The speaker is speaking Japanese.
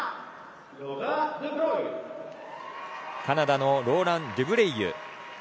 カナダのローラン・デュブレイユ。